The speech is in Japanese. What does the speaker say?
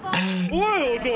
おい！